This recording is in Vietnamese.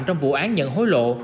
trong vụ án nhận hối lộ